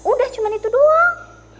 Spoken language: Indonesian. udah cuma itu doang